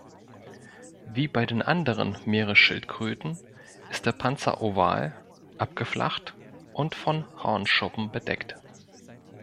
Wie bei den anderen Meeresschildkröten ist der Panzer oval, abgeflacht und von Hornschuppen bedeckt.